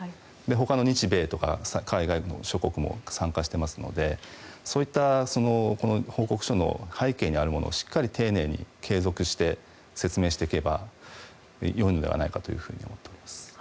ほかの日米とか海外諸国も参加していますのでそういった報告書の背景にあるものをしっかり丁寧に継続して説明していけばよいのではないかと思っています。